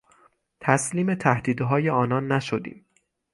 تسلیم تهدیدهای آنان نشدیم.